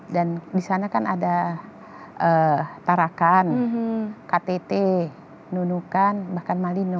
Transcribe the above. dan di sana kan ada tarakan ktt nunukan bahkan malino